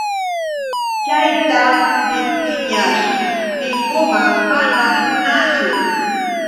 Chayta niptinñash niykamun: manam munaachu.